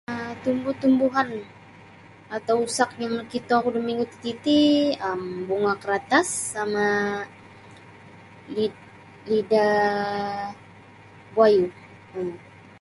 um tumbuh-tumbuhan atau usak yang nakitoku da komuniti tii bunga keratas sama lid lidaa wayu um